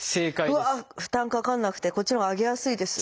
うわ負担かかんなくてこっちのほうが上げやすいです。